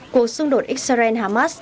cuộc xung đột israel hamas